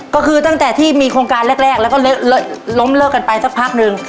ก็คือตั้งแต่ที่มีโครงการแรกแล้วก็ล้มเลิกกันไปสักพักหนึ่ง